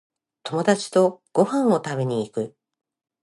友達とご飯を食べに行く